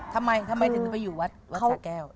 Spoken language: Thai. ทำไมทำไมผสมไปอยู่วัดสะแก้ว